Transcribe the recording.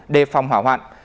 đề phòng hỏa hoạn